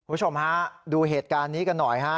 คุณผู้ชมฮะดูเหตุการณ์นี้กันหน่อยฮะ